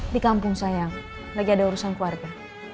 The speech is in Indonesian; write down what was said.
di kampung sayang lagi ada urusan keluarga